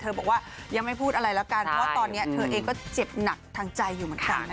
บอกว่ายังไม่พูดอะไรแล้วกันเพราะตอนนี้เธอเองก็เจ็บหนักทางใจอยู่เหมือนกันนะคะ